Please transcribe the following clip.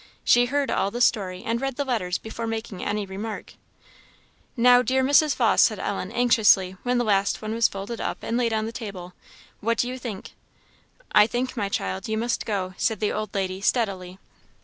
She heard all the story and read the letters before making any remark. "Now, dear Mrs. Vawse," said Ellen, anxiously, when the last one was folded up and laid on the table, "what do you think?" "I think, my child, you must go," said the old lady, steadily.